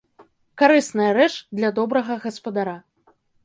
Карысная рэч для добрага гаспадара.